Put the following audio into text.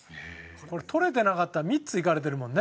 これ捕れてなかったら３つ行かれてるもんね。